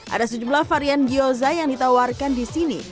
ada sejumlah varian gyoza yang ditawarkan di sini